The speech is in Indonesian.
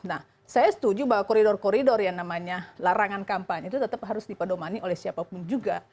nah saya setuju bahwa koridor koridor yang namanya larangan kampanye itu tetap harus dipedomani oleh siapapun juga